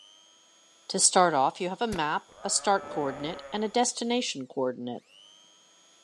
To start off, you have a map, a start coordinate and a destination coordinate.